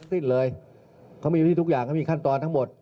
สิ้นเลยเขามีวิธีทุกอย่างเขามีขั้นตอนทั้งหมด